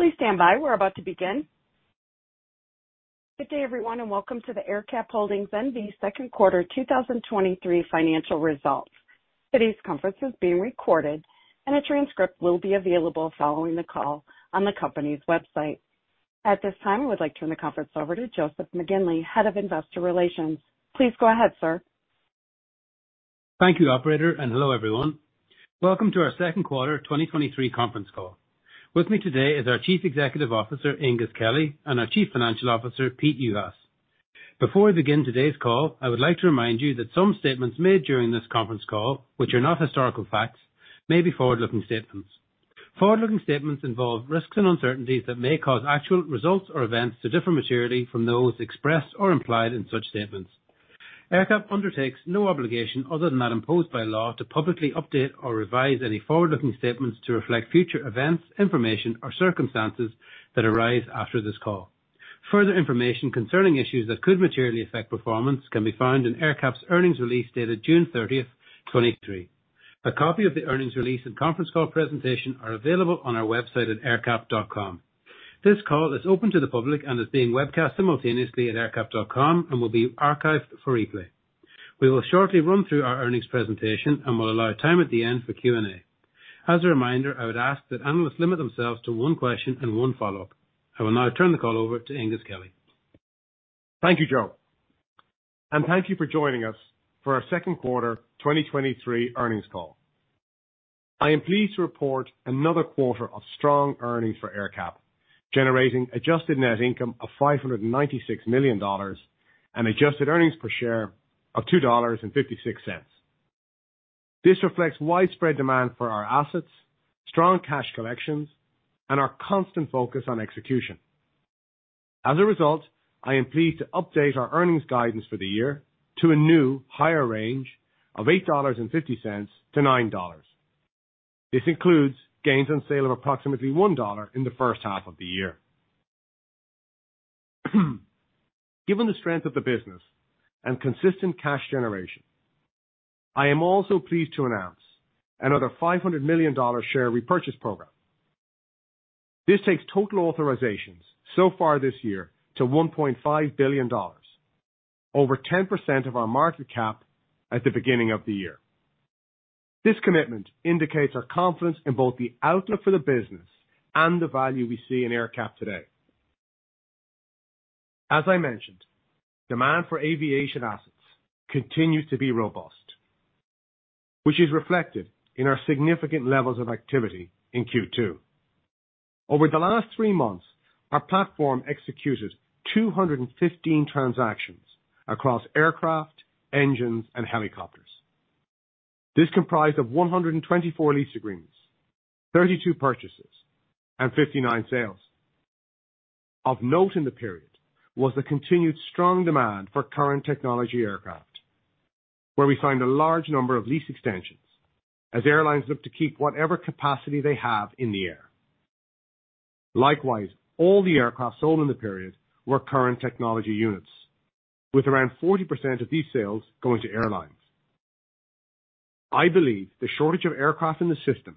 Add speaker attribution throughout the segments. Speaker 1: Please stand by. We're about to begin. Good day, everyone, and welcome to the AerCap Holdings N.V. second quarter 2023 financial results. Today's conference is being recorded, and a transcript will be available following the call on the company's website. At this time, I would like to turn the conference over to Joseph McGinley, Head of Investor Relations. Please go ahead, sir.
Speaker 2: Thank you, operator. Hello, everyone. Welcome to our second quarter 2023 conference call. With me today is our Chief Executive Officer, Aengus Kelly, and our Chief Financial Officer, Peter Juhas. Before we begin today's call, I would like to remind you that some statements made during this conference call, which are not historical facts, may be forward-looking statements. Forward-looking statements involve risks and uncertainties that may cause actual results or events to differ materially from those expressed or implied in such statements. AerCap undertakes no obligation other than that imposed by law to publicly update or revise any forward-looking statements to reflect future events, information, or circumstances that arise after this call. Further information concerning issues that could materially affect performance can be found in AerCap's earnings release dated 13 June 2023. A copy of the earnings release and conference call presentation are available on our website at aercap.com. This call is open to the public and is being webcast simultaneously at aercap.com and will be archived for replay. We will shortly run through our earnings presentation and we'll allow time at the end for Q&A. As a reminder, I would ask that analysts limit themselves to one question and one follow-up. I will now turn the call over to Aengus Kelly.
Speaker 3: Thank you, Joe, thank you for joining us for our second quarter 2023 earnings call. I am pleased to report another quarter of strong earnings for AerCap, generating adjusted net income of $596 million and adjusted earnings per share of $2.56. This reflects widespread demand for our assets, strong cash collections, and our constant focus on execution. As a result, I am pleased to update our earnings guidance for the year to a new higher range of $8.50-$9.00. This includes gains on sale of approximately $1.00 in the first half of the year. Given the strength of the business and consistent cash generation, I am also pleased to announce another $500 million share repurchase program. This takes total authorizations so far this year to $1.5 billion, over 10% of our market cap at the beginning of the year. This commitment indicates our confidence in both the outlook for the business and the value we see in AerCap today. As I mentioned, demand for aviation assets continues to be robust, which is reflected in our significant levels of activity in Q2. Over the last three months, our platform executed 215 transactions across aircraft, engines and helicopters. This comprised of 124 lease agreements, 32 purchases, and 59 sales. Of note in the period, was the continued strong demand for current technology aircraft, where we find a large number of lease extensions as airlines look to keep whatever capacity they have in the air. Likewise, all the aircraft sold in the period were current technology units, with around 40% of these sales going to airlines. I believe the shortage of aircraft in the system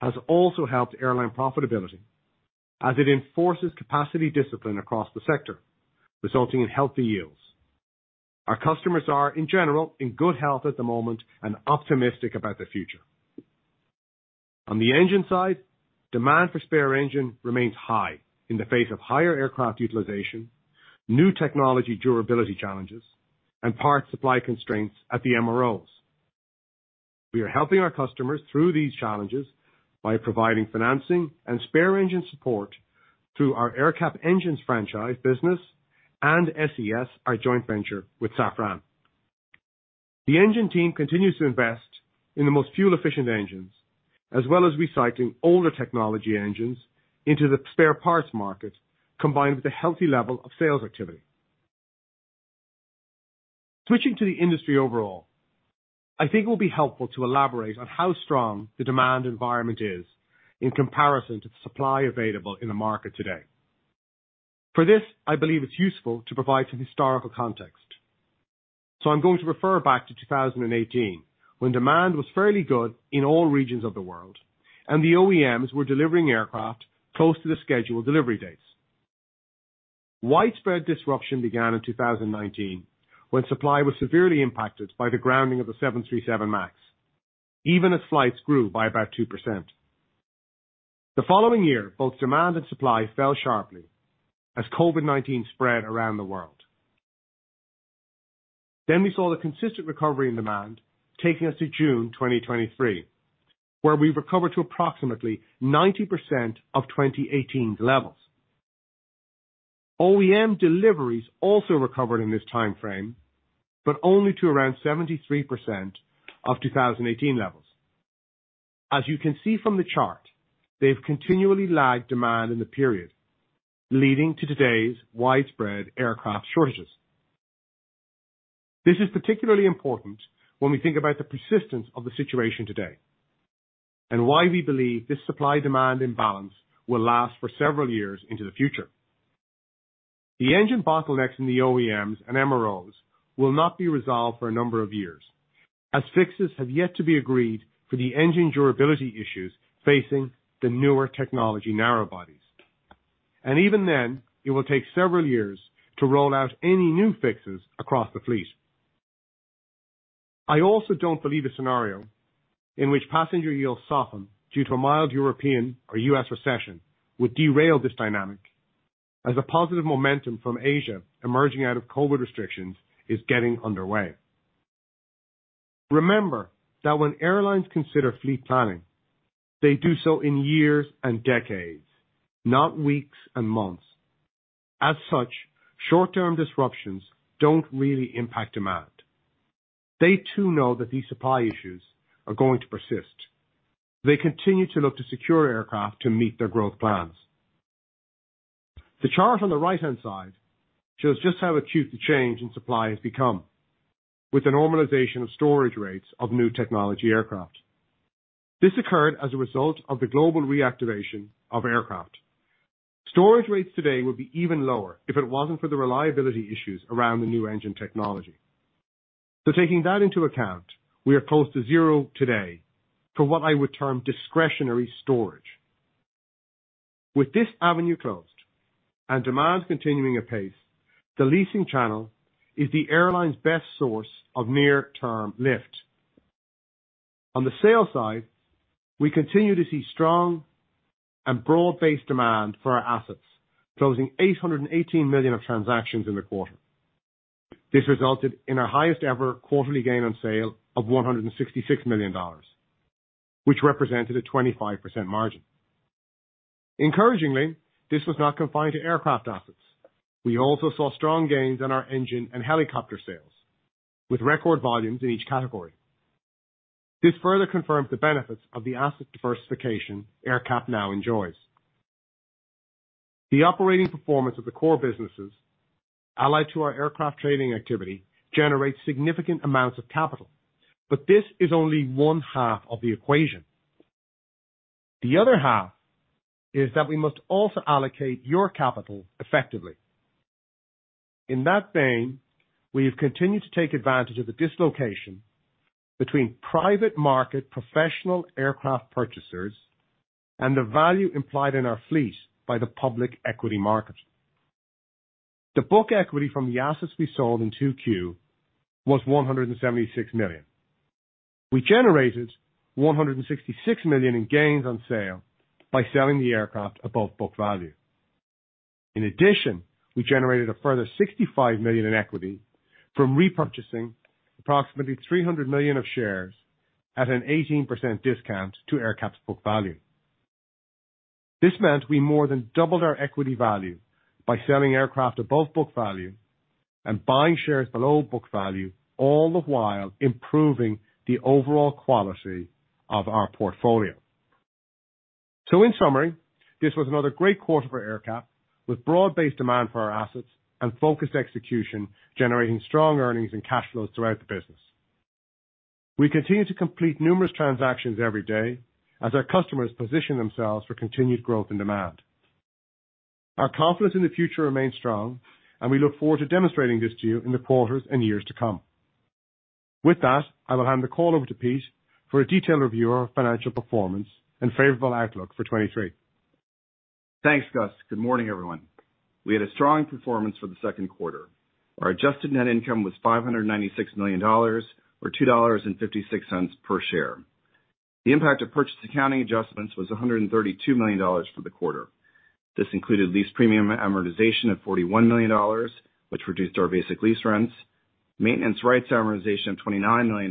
Speaker 3: has also helped airline profitability, as it enforces capacity discipline across the sector, resulting in healthy yields. Our customers are, in general, in good health at the moment and optimistic about the future. On the engine side, demand for spare engine remains high in the face of higher aircraft utilization, new technology durability challenges, and parts supply constraints at the MROs. We are helping our customers through these challenges by providing financing and spare engine support through our AerCap Engines franchise business and SES, our joint venture with Safran. The engine team continues to invest in the most fuel-efficient engines, as well as recycling older technology engines into the spare parts market, combined with a healthy level of sales activity. Switching to the industry overall, I think it will be helpful to elaborate on how strong the demand environment is in comparison to the supply available in the market today. For this, I believe it's useful to provide some historical context. I'm going to refer back to 2018, when demand was fairly good in all regions of the world, and the OEMs were delivering aircraft close to the scheduled delivery dates. Widespread disruption began in 2019, when supply was severely impacted by the grounding of the 737 MAX, even as flights grew by about 2%. The following year, both demand and supply fell sharply as COVID-19 spread around the world. We saw the consistent recovery in demand, taking us to June 2023, where we recovered to approximately 90% of 2018 levels. OEM deliveries also recovered in this time frame, but only to around 73% of 2018 levels. As you can see from the chart, they've continually lagged demand in the period, leading to today's widespread aircraft shortages. This is particularly important when we think about the persistence of the situation today and why we believe this supply-demand imbalance will last for several years into the future. The engine bottlenecks in the OEMs and MROs will not be resolved for a number of years, as fixes have yet to be agreed for the engine durability issues facing the newer technology narrow bodies. Even then, it will take several years to roll out any new fixes across the fleet. I also don't believe a scenario in which passenger yields soften due to a mild European or U.S. recession, would derail this dynamic, as a positive momentum from Asia emerging out of COVID restrictions is getting underway. Remember that when airlines consider fleet planning, they do so in years and decades, not weeks and months. As such, short-term disruptions don't really impact demand. They, too, know that these supply issues are going to persist. They continue to look to secure aircraft to meet their growth plans. The chart on the right-hand side shows just how acute the change in supply has become, with the normalization of storage rates of new technology aircraft. This occurred as a result of the global reactivation of aircraft. Storage rates today would be even lower if it wasn't for the reliability issues around the new engine technology. Taking that into account, we are close to zero today for what I would term discretionary storage. With this avenue closed and demand continuing apace, the leasing channel is the airline's best source of near-term lift. On the sales side, we continue to see strong and broad-based demand for our assets, closing $818 million of transactions in the quarter. This resulted in our highest ever quarterly gain on sale of $166 million, which represented a 25% margin. Encouragingly, this was not confined to aircraft assets. We also saw strong gains in our engine and helicopter sales, with record volumes in each category. This further confirms the benefits of the asset diversification AerCap now enjoys. The operating performance of the core businesses, allied to our aircraft trading activity, generates significant amounts of capital. This is only one half of the equation. The other half is that we must also allocate your capital effectively. In that vein, we have continued to take advantage of the dislocation between private market professional aircraft purchasers and the value implied in our fleet by the public equity market. The book equity from the assets we sold in 2Q was $176 million. We generated $166 million in gains on sale by selling the aircraft above book value. In addition, we generated a further $65 million in equity from repurchasing approximately $300 million of shares at an 18% discount to AerCap's book value. This meant we more than doubled our equity value by selling aircraft above book value and buying shares below book value, all the while improving the overall quality of our portfolio. In summary, this was another great quarter for AerCap, with broad-based demand for our assets and focused execution, generating strong earnings and cash flows throughout the business. We continue to complete numerous transactions every day as our customers position themselves for continued growth and demand. Our confidence in the future remains strong, and we look forward to demonstrating this to you in the quarters and years to come. With that, I will hand the call over to Pete for a detailed review of our financial performance and favorable outlook for 23.
Speaker 4: Thanks, Gus. Good morning, everyone. We had a strong performance for the second quarter. Our adjusted net income was $596 million, or $2.56 per share. The impact of purchase accounting adjustments was $132 million for the quarter. This included lease premium amortization of $41 million, which reduced our basic lease rents, maintenance rights amortization of $29 million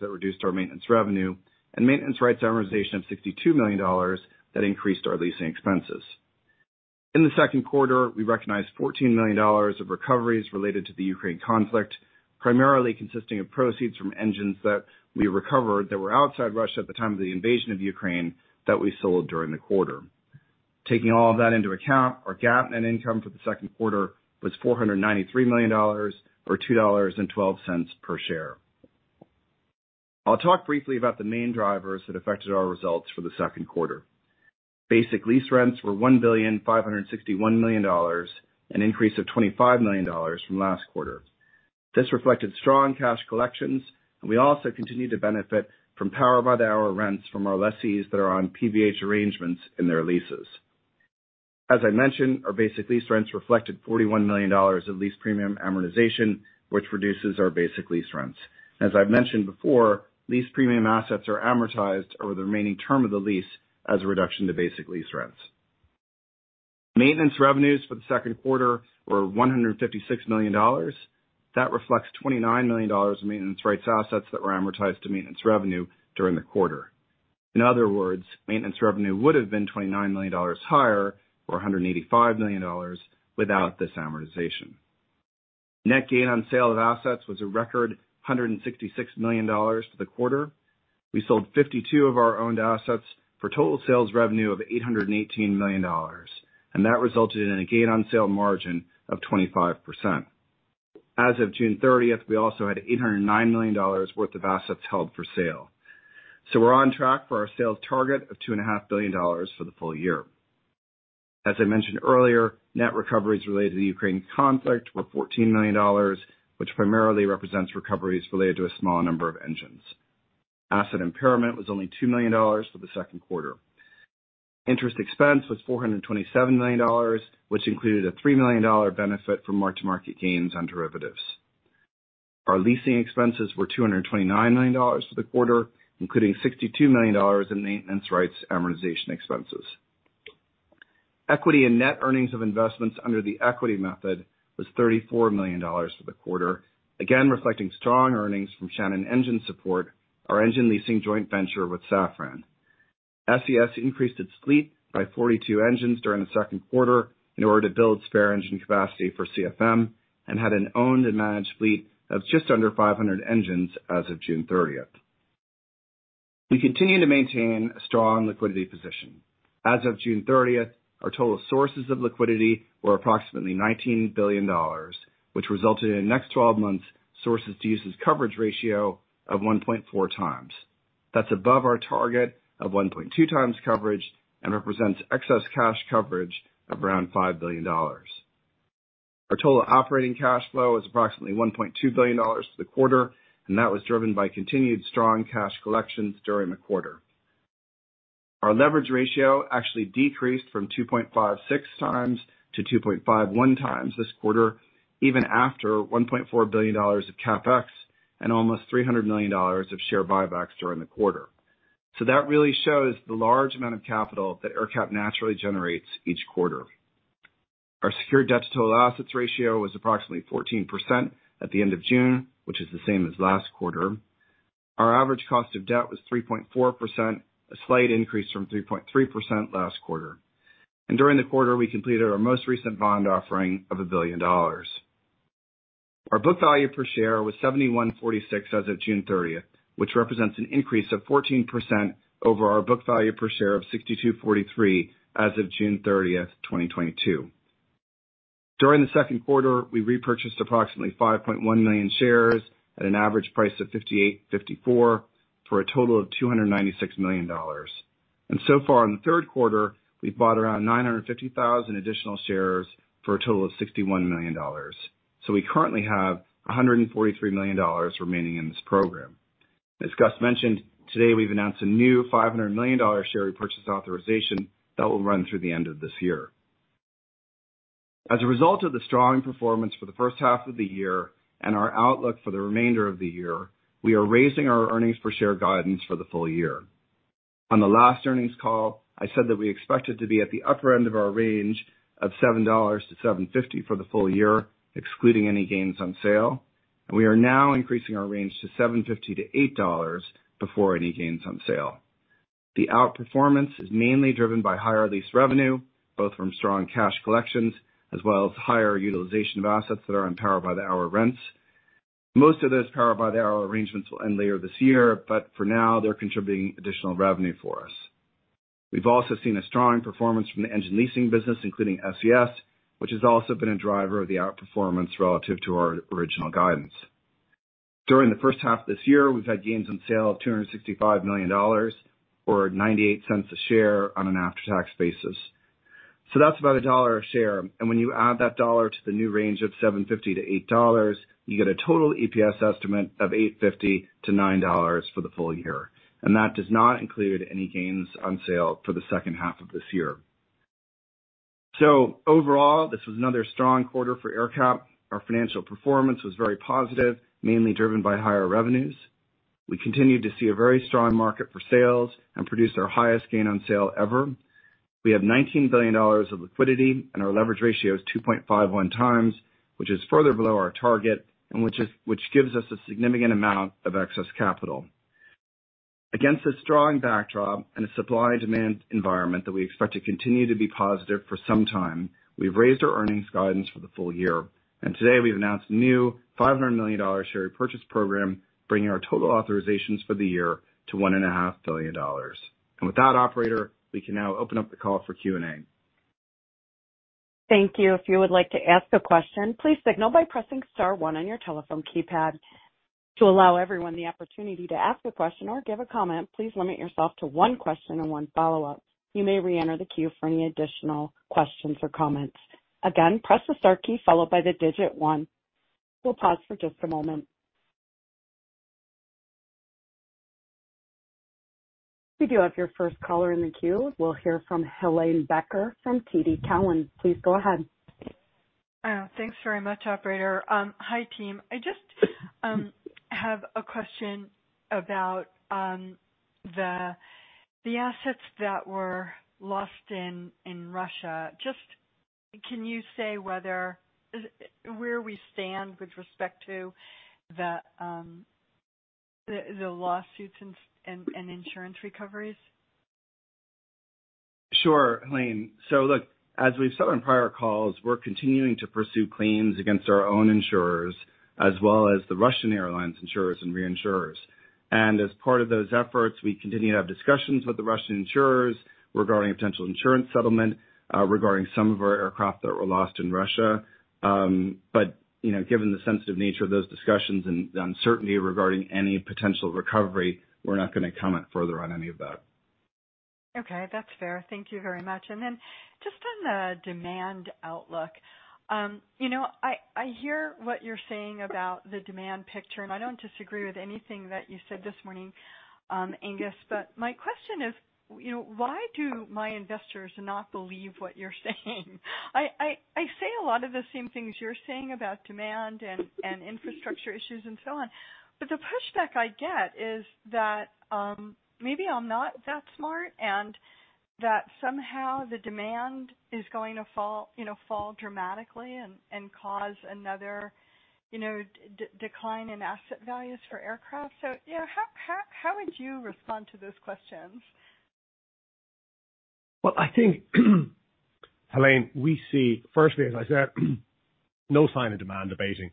Speaker 4: that reduced our maintenance revenue, and maintenance rights amortization of $62 million that increased our leasing expenses. In the second quarter, we recognized $14 million of recoveries related to the Ukraine conflict, primarily consisting of proceeds from engines that we recovered that were outside Russia at the time of the invasion of Ukraine, that we sold during the quarter. Taking all of that into account, our GAAP net income for the second quarter was $493 million, or $2.12 per share. I'll talk briefly about the main drivers that affected our results for the second quarter. Basic lease rents were $1,561 million, an increase of $25 million from last quarter. This reflected strong cash collections, and we also continued to benefit from power-by-the-hour rents from our lessees that are on PVH arrangements in their leases. As I mentioned, our basic lease rents reflected $41 million of lease premium amortization, which reduces our basic lease rents. As I've mentioned before, lease premium assets are amortized over the remaining term of the lease as a reduction to basic lease rents. Maintenance revenues for the second quarter were $156 million. That reflects $29 million in maintenance rights assets that were amortized to maintenance revenue during the quarter. In other words, maintenance revenue would have been $29 million higher, or $185 million without this amortization. Net gain on sale of assets was a record $166 million for the quarter. We sold 52 of our owned assets for total sales revenue of $818 million, and that resulted in a gain on sale margin of 25%. As of June 30th, we also had $809 million worth of assets held for sale. We're on track for our sales target of $2.5 billion for the full year. As I mentioned earlier, net recoveries related to the Ukraine conflict were $14 million, which primarily represents recoveries related to a small number of engines. Asset impairment was only $2 million for the second quarter. Interest expense was $427 million, which included a $3 million benefit from mark-to-market gains on derivatives. Our leasing expenses were $229 million for the quarter, including $62 million in maintenance rights amortization expenses. Equity and net earnings of investments under the equity method was $34 million for the quarter, again, reflecting strong earnings from Shannon Engine Support, our engine leasing joint venture with Safran. SES increased its fleet by 42 engines during the second quarter in order to build spare engine capacity for CFM, and had an owned and managed fleet of just under 500 engines as of June 30th. We continue to maintain a strong liquidity position. As of June 30th, our total sources of liquidity were approximately $19 billion, which resulted in a next 12 months sources-to-uses coverage ratio of 1.4x. That's above our target of 1.2x coverage and represents excess cash coverage of around $5 billion. Our total operating cash flow is approximately $1.2 billion for the quarter. That was driven by continued strong cash collections during the quarter. Our leverage ratio actually decreased from 2.56x-2.51x this quarter, even after $1.4 billion of CapEx and almost $300 million of share buybacks during the quarter. That really shows the large amount of capital that AerCap naturally generates each quarter. Our secured debt to total assets ratio was approximately 14% at the end of June, which is the same as last quarter. Our average cost of debt was 3.4%, a slight increase from 3.3% last quarter. During the quarter, we completed our most recent bond offering of $1 billion. Our book value per share was $71.46 as of June thirtieth, which represents an increase of 14% over our book value per share of $62.43 as of June thirtieth, 2022. During the second quarter, we repurchased approximately 5.1 million shares at an average price of $58.54, for a total of $296 million. So far in the third quarter, we've bought around 950,000 additional shares for a total of $61 million. We currently have $143 million remaining in this program. As Gus mentioned, today, we've announced a new $500 million share repurchase authorization that will run through the end of this year. As a result of the strong performance for the first half of the year and our outlook for the remainder of the year, we are raising our earnings per share guidance for the full year. On the last earnings call, I said that we expected to be at the upper end of our range of $7-$7.50 for the full year, excluding any gains on sale. We are now increasing our range to $7.50-$8 before any gains on sale. The outperformance is mainly driven by higher lease revenue, both from strong cash collections, as well as higher utilization of assets that are on power-by-the-hour rents. Most of those power-by-the-hour arrangements will end later this year, for now, they're contributing additional revenue for us. We've also seen a strong performance from the engine leasing business, including SES, which has also been a driver of the outperformance relative to our original guidance. During the first half of this year, we've had gains on sale of $265 million, or $0.98 a share on an after-tax basis. That's about $1 a share. When you add that dollar to the new range of $7.50-$8, you get a total EPS estimate of $8.50-$9 for the full year. That does not include any gains on sale for the second half of this year. Overall, this was another strong quarter for AerCap. Our financial performance was very positive, mainly driven by higher revenues. We continued to see a very strong market for sales and produced our highest gain on sale ever. We have $19 billion of liquidity, and our leverage ratio is 2.51x, which is further below our target and which gives us a significant amount of excess capital. Against this strong backdrop and a supply and demand environment that we expect to continue to be positive for some time, we've raised our earnings guidance for the full year. Today we've announced a new $500 million share repurchase program, bringing our total authorizations for the year to $1.5 billion. With that, operator, we can now open up the call for Q&A.
Speaker 1: Thank you. If you would like to ask a question, please signal by pressing star 1 on your telephone keypad. To allow everyone the opportunity to ask a question or give a comment, please limit yourself to one question and 1 follow-up. You may reenter the queue for any additional questions or comments. Again, press the star key followed by the digit 1. We'll pause for just a moment. We do have your first caller in the queue. We'll hear from Helane Becker from TD Cowen. Please go ahead.
Speaker 5: Thanks very much, operator. Hi, team. I just have a question about the assets that were lost in Russia. Just can you say whether, where we stand with respect to the lawsuits and insurance recoveries?
Speaker 4: Sure, Helane. Look, as we've said on prior calls, we're continuing to pursue claims against our own insurers as well as the Russian Airlines insurers and reinsurers. As part of those efforts, we continue to have discussions with the Russian insurers regarding a potential insurance settlement regarding some of our aircraft that were lost in Russia. You know, given the sensitive nature of those discussions and the uncertainty regarding any potential recovery, we're not going to comment further on any of that.
Speaker 5: Okay, that's fair. Thank you very much. Then just on the demand outlook, you know, I, I hear what you're saying about the demand picture, and I don't disagree with anything that you said this morning, Aengus, my question is, you know, why do my investors not believe what you're saying? I, I, I say a lot of the same things you're saying about demand and, and infrastructure issues and so on, the pushback I get is that, maybe I'm not that smart, and that somehow the demand is going to fall, you know, fall dramatically and, and cause another, you know, decline in asset values for aircraft. You know, how, how, how would you respond to those questions?
Speaker 3: Well, I think, Helane, we see, firstly, as I said, no sign of demand abating.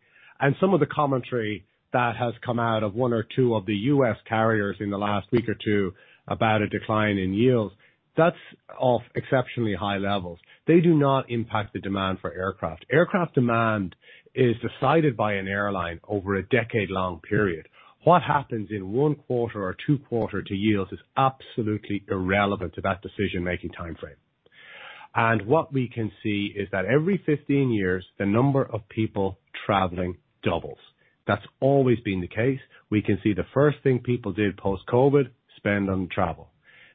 Speaker 3: Some of the commentary that has come out of one or two of the U.S. carriers in the last week or two about a decline in yields, that's off exceptionally high levels. They do not impact the demand for aircraft. Aircraft demand is decided by an airline over a decade-long period. What happens in one quarter or two quarter to yields is absolutely irrelevant to that decision-making timeframe. What we can see is that every 15 years, the number of people traveling doubles. That's always been the case. We can see the first thing people did post-COVID, spend on travel.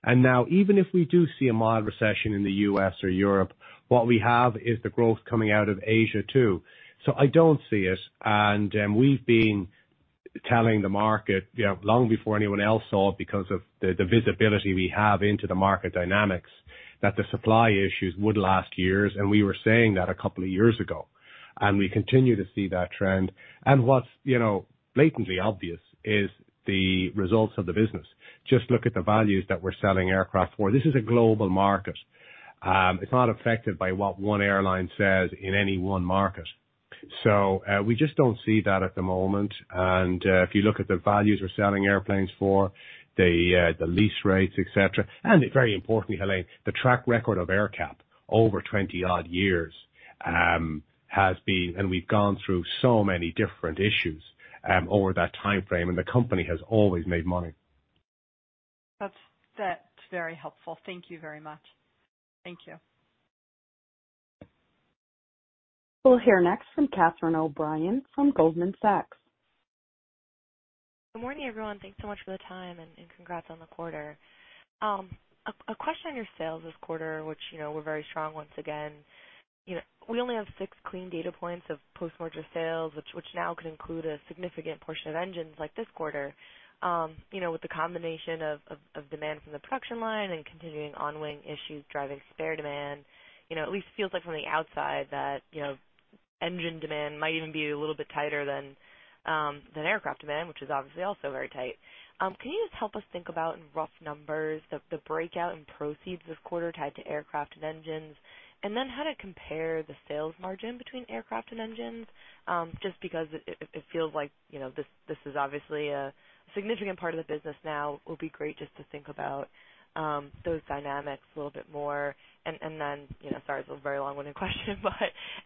Speaker 3: Now, even if we do see a mild recession in the U.S. or Europe, what we have is the growth coming out of Asia, too. I don't see it, and, we've been telling the market, you know, long before anyone else saw it, because of the, the visibility we have into the market dynamics, that the supply issues would last years, and we were saying that a couple of years ago, and we continue to see that trend. What's, you know, blatantly obvious is the results of the business. Just look at the values that we're selling aircraft for. This is a global market. It's not affected by what one airline says in any one market. We just don't see that at the moment. If you look at the values we're selling airplanes for, the lease rates, et cetera, and very importantly, Helane, the track record of AerCap over 20-odd years, has been, and we've gone through so many different issues, over that timeframe, and the company has always made money.
Speaker 5: That's, that's very helpful. Thank you very much. Thank you.
Speaker 1: We'll hear next from Catherine O'Brien from Goldman Sachs.
Speaker 6: Good morning, everyone. Thanks so much for the time, and congrats on the quarter. A question on your sales this quarter, which, you know, were very strong once again. You know, we only have six clean data points of post-merger sales, which now can include a significant portion of engines, like this quarter. You know, with the combination of demand from the production line and continuing on-wing issues driving spare demand, you know, at least feels like from the outside that, you know, engine demand might even be a little bit tighter than aircraft demand, which is obviously also very tight. Can you just help us think about, in rough numbers, the breakout in proceeds this quarter tied to aircraft and engines? Then how to compare the sales margin between aircraft and engines, just because it, it, it feels like, you know, this, this is obviously a significant part of the business now. It would be great just to think about, those dynamics a little bit more. Then, you know, sorry, this is a very long-winded question, but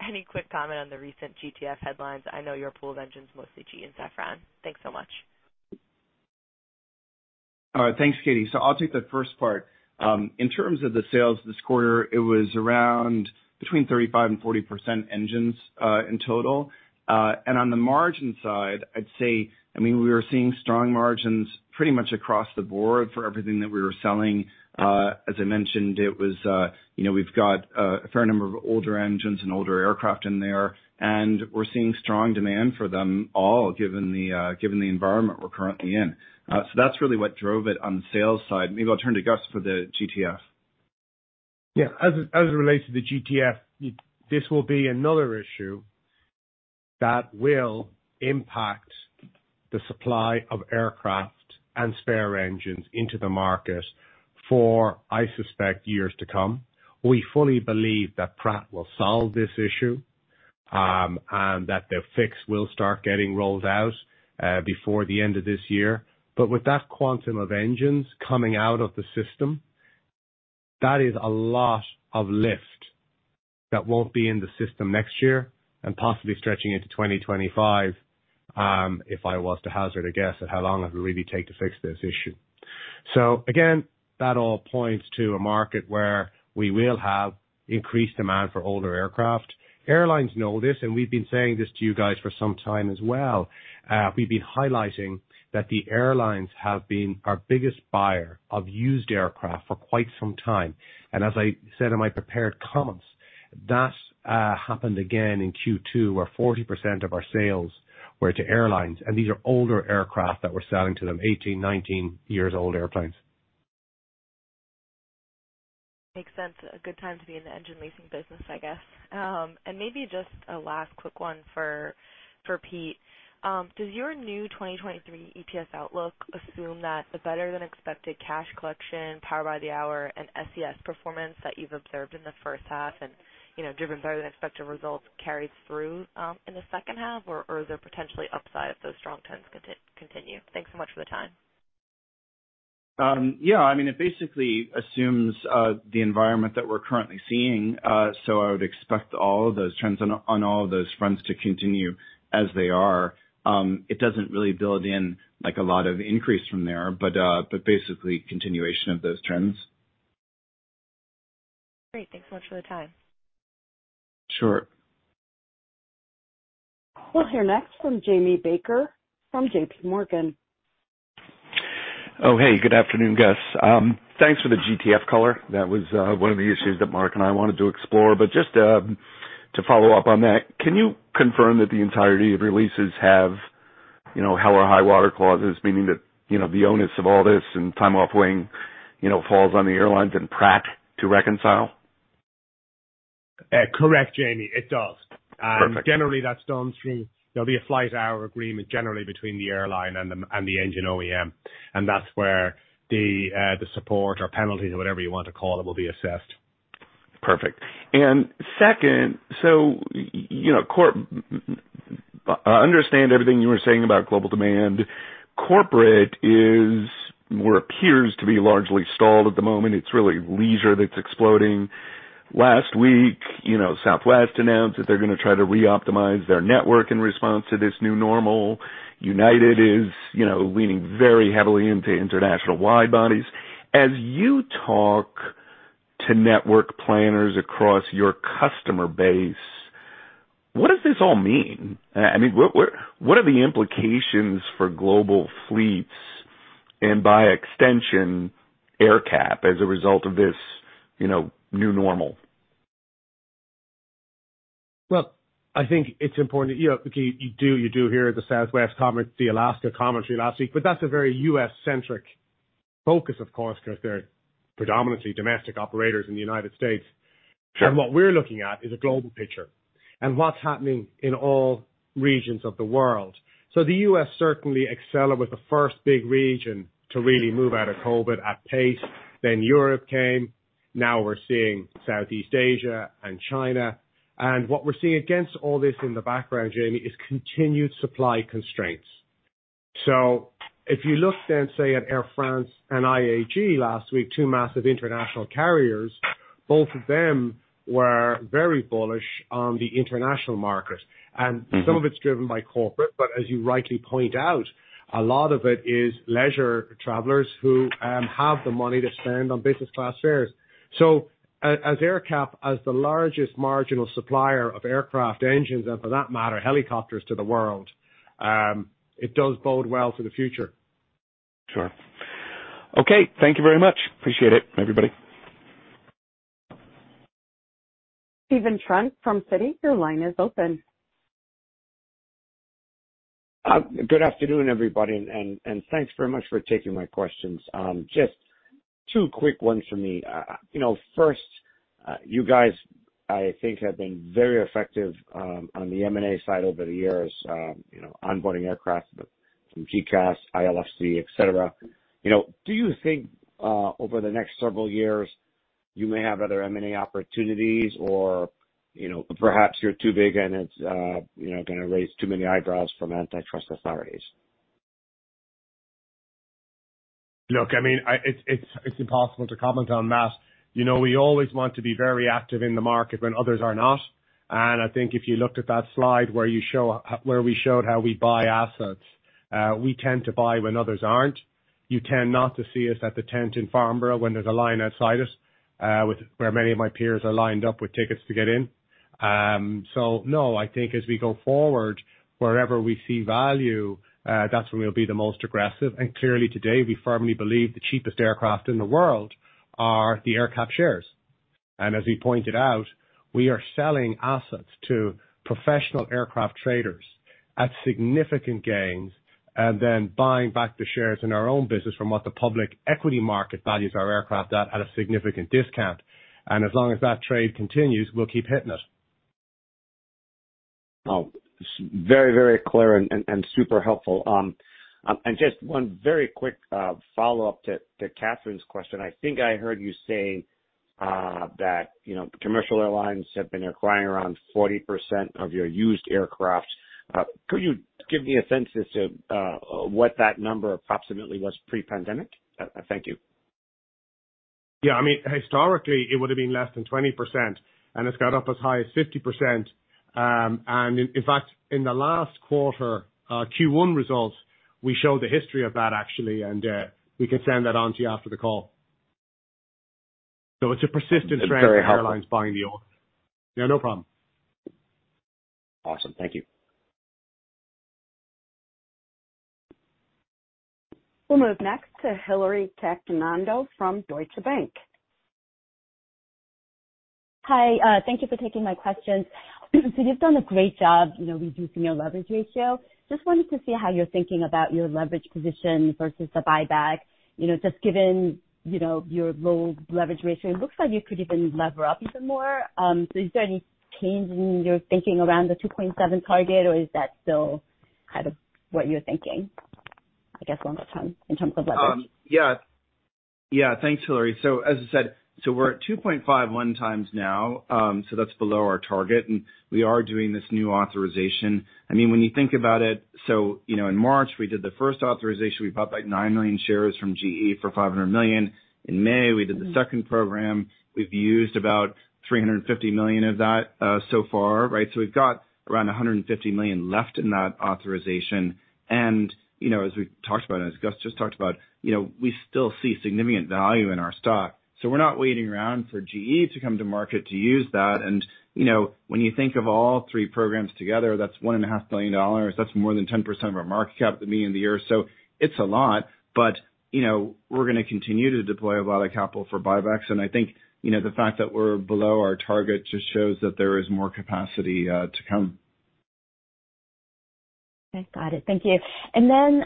Speaker 6: any quick comment on the recent GTF headlines? I know your pool of engines, mostly GE and Safran. Thanks so much.
Speaker 3: All right. Thanks, Catie. I'll take the first part. In terms of the sales this quarter, it was around between 35%-40% engines in total. On the margin side, I'd say, I mean, we were seeing strong margins pretty much across the board for everything that we were selling. As I mentioned, it was, you know, we've got a fair number of older engines and older aircraft in there, and we're seeing strong demand for them all, given the environment we're currently in. That's really what drove it on the sales side. Maybe I'll turn to Gus for the GTF.
Speaker 4: Yeah. As, as it relates to the GTF, this will be another issue that will impact the supply of aircraft and spare engines into the market for, I suspect, years to come. We fully believe that Pratt will solve this issue, and that the fix will start getting rolled out before the end of this year. With that quantum of engines coming out of the system, that is a lot of lift that won't be in the system next year and possibly stretching into 2025, if I was to hazard a guess at how long it would really take to fix this issue. Again, that all points to a market where we will have increased demand for older aircraft. Airlines know this, and we've been saying this to you guys for some time as well. We've been highlighting that the airlines have been our biggest buyer of used aircraft for quite some time. As I said in my prepared comments, that happened again in Q2, where 40% of our sales were to airlines, and these are older aircraft that we're selling to them, 18, 19 years old airplanes.
Speaker 6: Makes sense. A good time to be in the engine leasing business, I guess. Maybe just a last quick one for, for Pete. Does your new 2023 EPS outlook assume that the better-than-expected cash collection, power-by-the-hour, and SES performance that you've observed in the first half and, you know, driven better than expected results, carries through in the second half, or is there potentially upside if those strong trends continue? Thanks so much for the time.
Speaker 4: Yeah, I mean, it basically assumes, the environment that we're currently seeing. I would expect all of those trends on, on all of those fronts to continue as they are. It doesn't really build in, like, a lot of increase from there, but basically continuation of those trends.
Speaker 6: Great. Thanks so much for the time.
Speaker 4: Sure.
Speaker 1: We'll hear next from Jamie Baker from JP Morgan.
Speaker 7: Oh, hey, good afternoon, guys. Thanks for the GTF color. That was one of the issues that Mark and I wanted to explore. Just to follow up on that, can you confirm that the entirety of your leases have, you know, hell or high water clauses, meaning that, you know, the onus of all this and time off wing, you know, falls on the airlines and Pratt to reconcile?
Speaker 3: Correct, Jamie, it does.
Speaker 7: Perfect.
Speaker 3: Generally, that's done through, there'll be a Flight Hour Agreement generally between the airline and the, and the engine OEM, and that's where the, the support or penalties or whatever you want to call it, will be assessed.
Speaker 7: Perfect. Y- you know, corp- I understand everything you were saying about global demand. Corporate is, or appears to be largely stalled at the moment. It's really leisure that's exploding. Last week, you know, Southwest announced that they're gonna try to reoptimize their network in response to this new normal. United is, you know, leaning very heavily into international wide bodies. As you talk to network planners across your customer base, what does this all mean? I mean, what, what, what are the implications for global fleets and by extension, AerCap as a result of this, you know, new normal?
Speaker 3: Well, I think it's important... You know, you, you do, you do hear the Southwest comment, the Alaska commentary last week, but that's a very U.S.-centric focus, of course, because they're predominantly domestic operators in the United States.
Speaker 7: Sure.
Speaker 3: What we're looking at is a global picture, and what's happening in all regions of the world. The U.S. certainly accelerated, was the first big region to really move out of COVID at pace. Europe came, now we're seeing Southeast Asia and China, and what we're seeing against all this in the background, Jamie, is continued supply constraints. If you look then, say, at Air France and IAG last week, two massive international carriers, both of them were very bullish on the international market. Some of it's driven by corporate, but as you rightly point out, a lot of it is leisure travelers who have the money to spend on business class fares. As AerCap, as the largest marginal supplier of aircraft engines, and for that matter, helicopters to the world, it does bode well for the future.
Speaker 7: Sure. Okay, thank you very much. Appreciate it, everybody.
Speaker 1: Stephen Trent from Citi, your line is open.
Speaker 8: Good afternoon, everybody, and thanks very much for taking my questions. Just two quick ones from me. You know, first, you guys, I think, have been very effective on the M&A side over the years, you know, onboarding aircraft from GECAS, ILFC, et cetera. You know, do you think over the next several years, you may have other M&A opportunities or, you know, perhaps you're too big and it's, you know, gonna raise too many eyebrows from antitrust authorities?
Speaker 3: Look, I mean, I, it's, it's, it's impossible to comment on math. You know, we always want to be very active in the market when others are not, and I think if you looked at that slide where you show, where we showed how we buy assets, we tend to buy when others aren't. You tend not to see us at the tent in Farnborough when there's a line outside us, with, where many of my peers are lined up with tickets to get in. No, I think as we go forward, wherever we see value, that's when we'll be the most aggressive. Clearly today, we firmly believe the cheapest aircraft in the world are the AerCap shares. As we pointed out, we are selling assets to professional aircraft traders at significant gains, and then buying back the shares in our own business from what the public equity market values our aircraft at, at a significant discount. As long as that trade continues, we'll keep hitting it.
Speaker 8: Oh, very, very clear and, and, and super helpful. Just one very quick follow-up to Catherine's question. I think I heard you say that, you know, commercial airlines have been acquiring around 40% of your used aircraft. Could you give me a sense as to what that number approximately was pre-pandemic? Thank you.
Speaker 3: Yeah. I mean, historically, it would have been less than 20%, and it's got up as high as 50%. In fact, in the last quarter, Q1 results, we showed the history of that actually, and, we can send that on to you after the call. It's a persistent trend.
Speaker 8: Very helpful.
Speaker 3: airlines buying the old. Yeah, no problem.
Speaker 8: Awesome. Thank you.
Speaker 1: We'll move next to Hillary Cacanando from Deutsche Bank.
Speaker 9: Hi, thank you for taking my questions. You've done a great job, you know, reducing your leverage ratio. Just wanted to see how you're thinking about your leverage position versus a buyback. You know, just given, you know, your low leverage ratio, it looks like you could even lever up even more. Is there any change in your thinking around the 2.7 target, or is that still kind of what you're thinking, I guess, long term, in terms of leverage?
Speaker 4: Yeah. Yeah, thanks, Hillary. As I said, we're at 2.51x now, that's below our target, we are doing this new authorization. I mean, when you think about it, you know, in March, we did the first authorization. We bought back 9 million shares from GE for $500 million. In May, we did the second program. We've used about $350 million of that so far, right? We've got around $150 million left in that authorization. You know, as we talked about, as Gus just talked about, you know, we still see significant value in our stock, we're not waiting around for GE to come to market to use that. You know, when you think of all three programs together, that's $1.5 billion. That's more than 10% of our market cap at the beginning of the year. It's a lot. You know, we're gonna continue to deploy a lot of capital for buybacks. I think, you know, the fact that we're below our target just shows that there is more capacity to come.
Speaker 9: Okay, got it. Thank you. Then,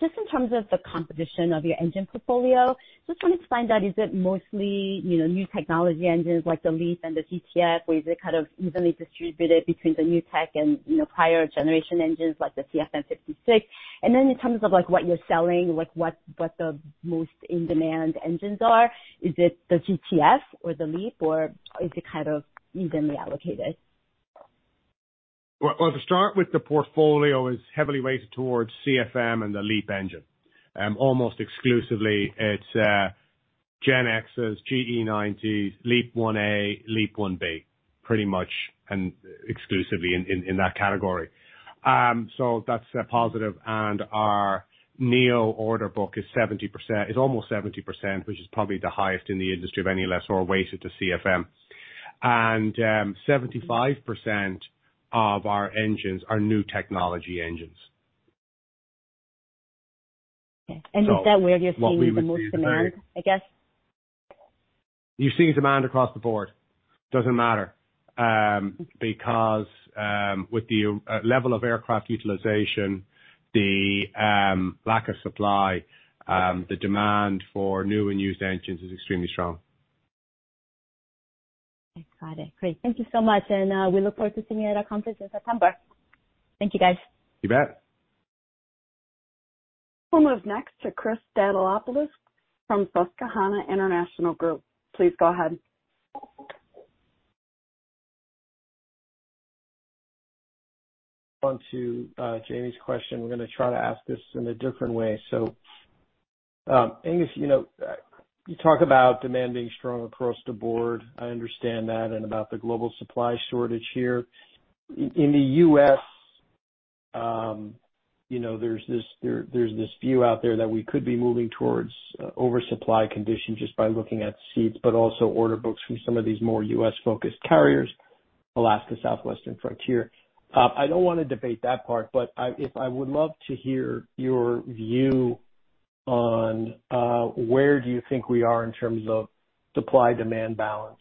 Speaker 9: just in terms of the competition of your engine portfolio, just wanted to find out, is it mostly, you know, new technology engines like the LEAP and the GTF, or is it kind of evenly distributed between the new tech and, you know, prior generation engines like the CFM56? Then in terms of, like, what you're selling, like, what, what the most in-demand engines are, is it the GTF or the LEAP, or is it kind of evenly allocated?
Speaker 3: Well, well, to start with, the portfolio is heavily weighted towards CFM and the LEAP engine. almost exclusively, it's GEnx's, GE90, LEAP-1A, LEAP-1B, pretty much and exclusively in, in, in that category. so that's positive. Our neo order book is 70%, is almost 70%, which is probably the highest in the industry of any less or weighted to CFM. 75% of our engines are new technology engines.
Speaker 9: Okay. Is that where you're seeing the most demand, I guess?
Speaker 3: You're seeing demand across the board. Doesn't matter, because, with the level of aircraft utilization, the lack of supply, the demand for new and used engines is extremely strong.
Speaker 9: Got it. Great. Thank you so much. We look forward to seeing you at our conference in September. Thank you, guys.
Speaker 3: You bet.
Speaker 1: We'll move next to Christopher Stathoulopoulos from Susquehanna International Group. Please go ahead.
Speaker 10: On to Jamie's question. We're gonna try to ask this in a different way. Aengus, you know, you talk about demand being strong across the board. I understand that, and about the global supply shortage here. In the U.S., you know, there's this view out there that we could be moving towards oversupply conditions just by looking at seats, but also order books from some of these more U.S. focused carriers, Alaska, Southwest, Frontier. I don't wanna debate that part, but I would love to hear your view on where do you think we are in terms of supply-demand balance,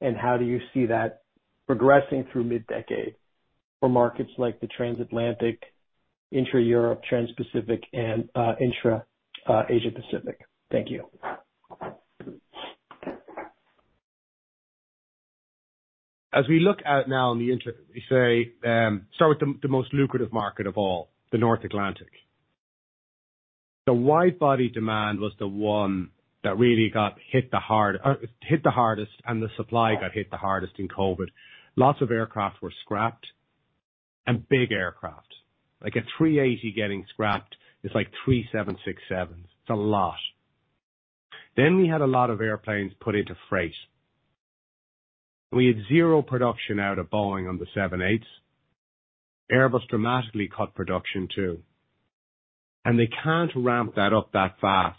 Speaker 10: and how do you see that progressing through mid-decade for markets like the transatlantic, intra-Europe, transpacific, and intra Asia Pacific? Thank you.
Speaker 3: As we look at it now in the industry, say, start with the most lucrative market of all, the North Atlantic. The wide body demand was the one that really got hit the hardest, and the supply got hit the hardest in COVID. Lots of aircraft were scrapped, and big aircraft. Like, a A380 getting scrapped is like three 767s. It's a lot. We had a lot of airplanes put into freight. We had zero production out of Boeing on the 787s. Airbus dramatically cut production, too, and they can't ramp that up that fast.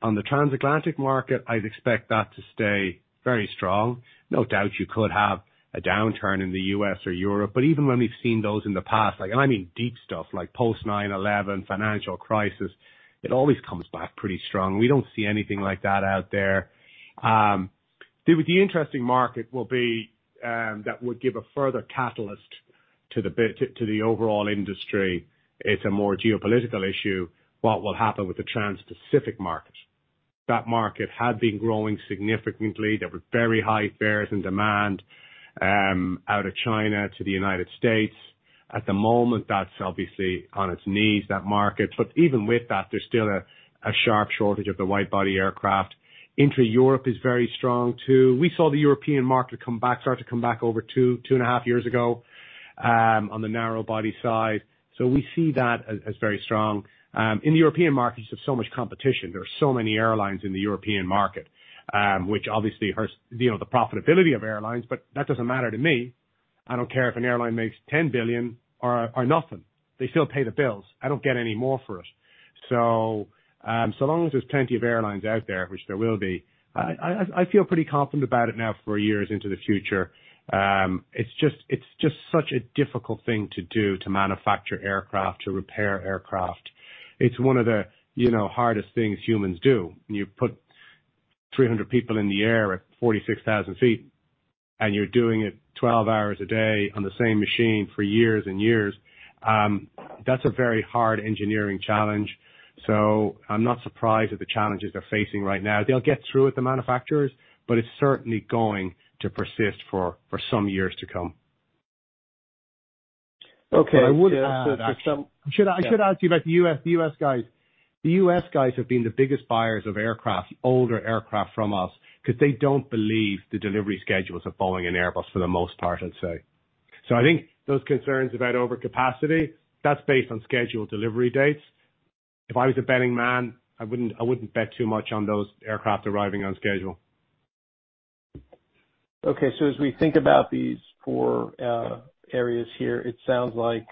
Speaker 3: On the transatlantic market, I'd expect that to stay very strong. No doubt you could have a downturn in the U.S. or Europe, but even when we've seen those in the past, like, and I mean, deep stuff like post 9/11, financial crisis, it always comes back pretty strong. We don't see anything like that out there. The, the interesting market will be, that would give a further catalyst to the overall industry, it's a more geopolitical issue, what will happen with the Transpacific market. That market had been growing significantly. There were very high fares and demand out of China to the United States. At the moment, that's obviously on its knees, that market, but even with that, there's still a, a sharp shortage of the wide body aircraft. Intra-Europe is very strong, too. We saw the European market come back, start to come back over two, two and a half years ago, on the narrow body side. We see that as, as very strong. In the European markets, there's so much competition. There are so many airlines in the European market, which obviously hurts, you know, the profitability of airlines, but that doesn't matter to me. I don't care if an airline makes $10 billion or, or nothing. They still pay the bills. I don't get any more for it. So long as there's plenty of airlines out there, which there will be, I, I, I feel pretty confident about it now for years into the future. It's just, it's just such a difficult thing to do, to manufacture aircraft, to repair aircraft. It's one of the, you know, hardest things humans do. You put 300 people in the air at 46,000 feet, and you're doing it 12 hours a day on the same machine for years and years, that's a very hard engineering challenge. I'm not surprised at the challenges they're facing right now. They'll get through with the manufacturers, but it's certainly going to persist for, for some years to come.
Speaker 10: Okay, I would ask-I should, I should ask you about the U.S., the U.S. guys.
Speaker 3: The U.S. guys have been the biggest buyers of aircraft, older aircraft from us, because they don't believe the delivery schedules of Boeing and Airbus for the most part, I'd say. I think those concerns about overcapacity, that's based on scheduled delivery dates. If I was a betting man, I wouldn't, I wouldn't bet too much on those aircraft arriving on schedule.
Speaker 10: Okay. As we think about these four, areas here, it sounds like,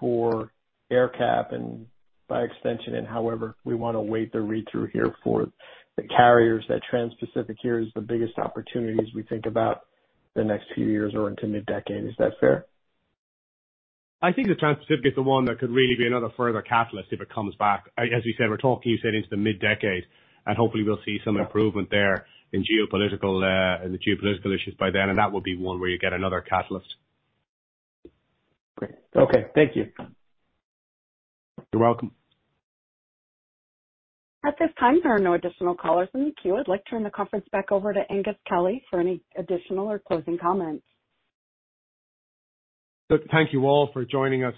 Speaker 10: for AerCap, and by extension, and however we wanna weight the read-through here for the carriers, that Transpacific here is the biggest opportunity as we think about the next few years or into mid-decade. Is that fair?
Speaker 3: I think the Transpacific is the one that could really be another further catalyst if it comes back. I, as we said, we're talking, you said, into the mid-decade, and hopefully we'll see some improvement there in geopolitical, in the geopolitical issues by then, and that will be one where you get another catalyst.
Speaker 10: Great. Okay. Thank you.
Speaker 3: You're welcome.
Speaker 1: At this time, there are no additional callers in the queue. I'd like to turn the conference back over to Aengus Kelly for any additional or closing comments.
Speaker 3: Good. Thank you all for joining us,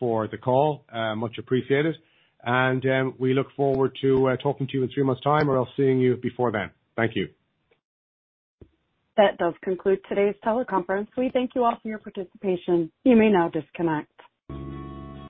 Speaker 3: for the call. Much appreciated, and we look forward to talking to you in three months' time or else seeing you before then. Thank you.
Speaker 1: That does conclude today's teleconference. We thank you all for your participation. You may now disconnect.